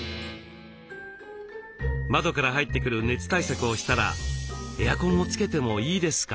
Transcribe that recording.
窓から入ってくる熱対策をしたらエアコンをつけてもいいですか？